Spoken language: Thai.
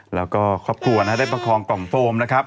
แล้วก็ครอบครัวนะฮะได้ประคองกล่องโฟมนะครับ